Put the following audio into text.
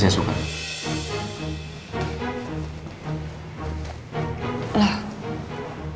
dia yang kita pinter kan